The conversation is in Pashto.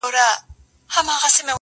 ناست وي او فکر کوي ډېر-